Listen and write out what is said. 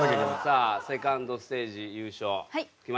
さあセカンドステージ優勝決まりましたか？